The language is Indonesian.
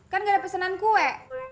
kan gak ada pesanan kue